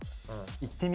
いってみる？